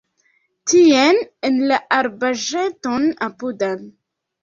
Tien, en la arbaĵeton apudan.